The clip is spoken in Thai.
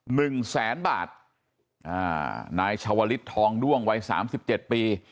หนึ่งแสนบาทอ่านายชาวลิศทองด้วงวัยสามสิบเจ็ดปี